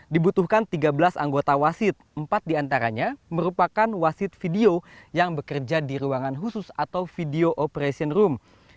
dibutuhkan tiga belas anggota wasit empat diantaranya merupakan wasit video yang bekerja di ruangan hukum